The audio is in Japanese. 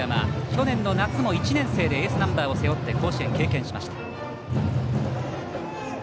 去年の夏も１年生でエースナンバーを背負って甲子園を経験しました。